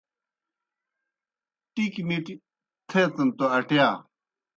ٹِکیْ مِٹیْ تھیتَن توْ اٹِیا۔